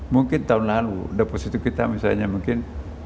mungkin tahun lalu deposito kita misalnya mungkin